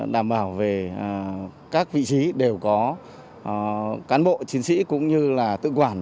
đảm bảo về các vị trí đều có cán bộ chiến sĩ cũng như là tự quản